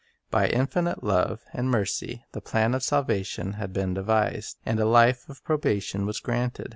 By infinite love and mercy the plan of salvation had been devised, and a life of probation was granted.